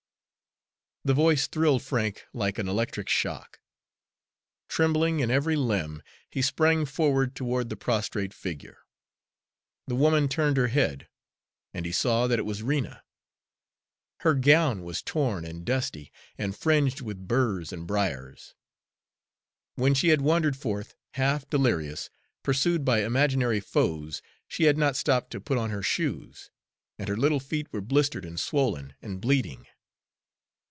The voice thrilled Frank like an electric shock. Trembling in every limb, he sprang forward toward the prostrate figure. The woman turned her head, and he saw that it was Rena. Her gown was torn and dusty, and fringed with burs and briars. When she had wandered forth, half delirious, pursued by imaginary foes, she had not stopped to put on her shoes, and her little feet were blistered and swollen and bleeding.